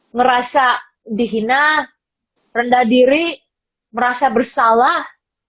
ngerasa dihina rendah diri merasa bersalah